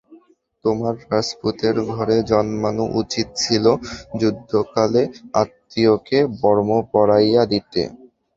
তোমার রাজপুতের ঘরে জন্মানো উচিত ছিল, যুদ্ধকালে আত্মীয়কে বর্ম পরাইয়া দিতে।